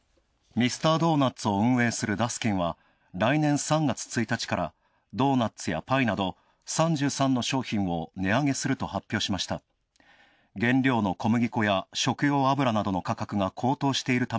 ミスタードーナツを運営するダスキンは来年３月１日からドーナツやパイなど３３の商品を値上げすると発表しました。